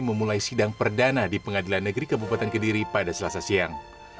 memulai sidang perdana di pengadilan negeri kabupaten kediri pada selasa siang